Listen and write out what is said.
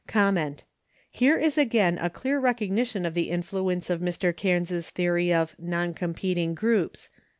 This is again a clear recognition of the influence of Mr. Cairnes's theory of "non competing groups."